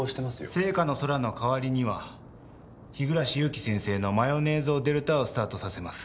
『ＳＥＩＫＡの空』の代わりには日暮ユーキ先生の『マヨネーズ王デルタ』をスタートさせます。